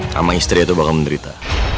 sama istri atau bakal menderita